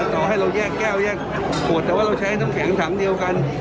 ต่อให้เราแยกแก้วแยกขวดแต่ว่าเราใช้น้ำแข็งถังเดียวกัน